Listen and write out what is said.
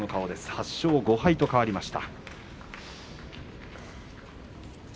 ８勝５敗と変わりました。